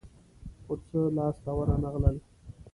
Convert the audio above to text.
خو څه لاس ته ورنه غلل.